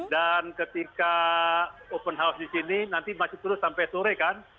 dan ketika open house di sini nanti masih perlu sampai sore kan